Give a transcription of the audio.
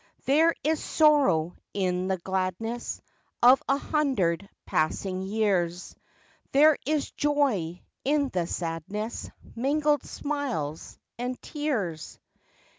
There is sorrow in the gladness Of a hundred passing years, LIFE WAVES 87 There is joy in the sadness, Mingled smiles and tears.